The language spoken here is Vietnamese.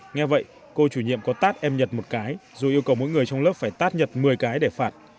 nghe vậy cô chủ nhiệm có tát em nhật một cái rồi yêu cầu mỗi người trong lớp phải tát nhật một mươi cái để phạt